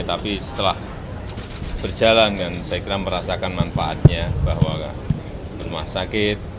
tapi setelah berjalan dan saya kira merasakan manfaatnya bahwa rumah sakit